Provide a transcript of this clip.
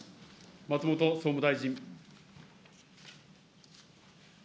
松本総務大臣。